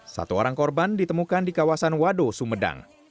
satu orang korban ditemukan di kawasan wado sumedang